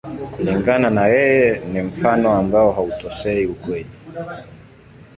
Kulingana na yeye, ni mfano ambao hautoshei ukweli.